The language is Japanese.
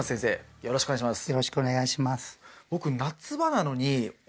よろしくお願いします